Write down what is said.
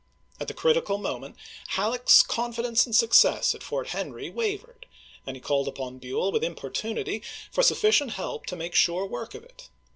At the critical moment Halleck's confidence in success at Fort Bueiito Henry wavered, and he called upon Buell with jan"'23.' importunity for sufficient help to make sure work voivi'i .' of it.